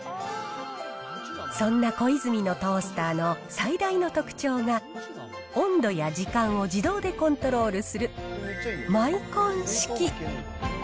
そんなコイズミのトースターの最大の特徴が、温度や時間を自動でコントロールするマイコン式。